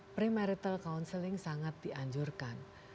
pre marital counseling sangat dianjurkan